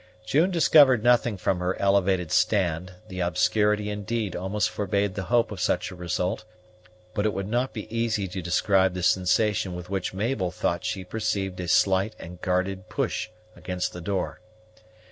June discovered nothing from her elevated stand; the obscurity indeed almost forbade the hope of such a result; but it would not be easy to describe the sensation with which Mabel thought she perceived a slight and guarded push against the door.